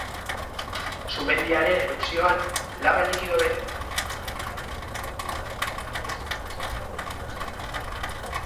Sumendiaren erupzioan laba likido beroa eta airearen tenperaturaren eraginez, solido bihurtzen da.